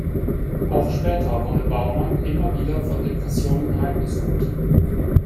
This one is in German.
Auch später wurde Baumann immer wieder von Depressionen heimgesucht.